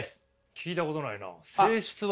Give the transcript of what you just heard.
聞いたことないな性質割。